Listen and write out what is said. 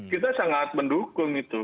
kita sangat mendukung itu